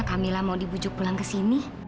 kamilah mau dibujuk pulang ke sini